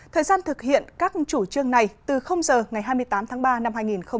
thời gian thực hiện các chủ trương này từ giờ ngày hai mươi tám tháng ba năm hai nghìn hai mươi